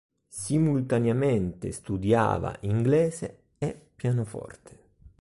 Simultaneamente studiava inglese e pianoforte.